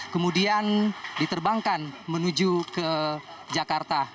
kemudian diterbangkan menuju ke jakarta